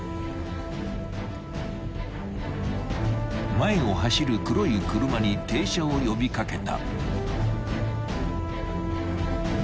［前を走る黒い車に停車を呼び掛けた］